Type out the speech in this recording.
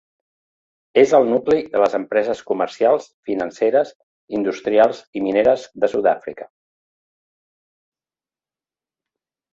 És el nucli de les empreses comercials, financeres, industrials i mineres de Sud-àfrica.